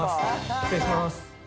失礼します。